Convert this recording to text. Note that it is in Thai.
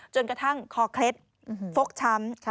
จนกระทั่งคอเคล็ดฟกช้ำ